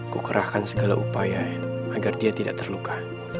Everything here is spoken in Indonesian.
kukerahkan segala upaya agar dia tidak terluka